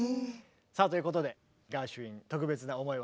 さあということでガーシュウィン特別な思い